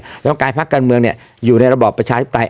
แล้วการพักการเมืองอยู่ในระบอบประชาธิปไตย